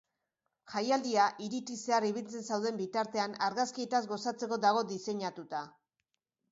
Jaialdia hiritik zehar ibiltzen zauden bitartean argazkietaz gozatzeko dago diseinatua.